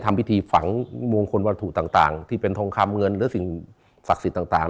ทำพิธีฝังมงคลวัตถุต่างที่เป็นทองคำเงินหรือสิ่งศักดิ์สิทธิ์ต่าง